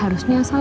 aku sudah berjaya